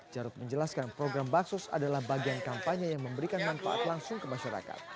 jarod menjelaskan program baksos adalah bagian kampanye yang memberikan manfaat langsung ke masyarakat